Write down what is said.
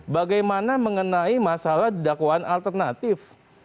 bagaimana mengenai masalah dakwaan alternatif